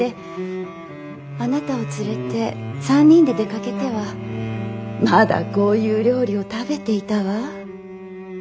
あなたを連れて３人で出かけてはまだこういう料理を食べていたわ。